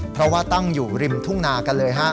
เพราะว่าตั้งอยู่ริมทุ่งนากันเลยฮะ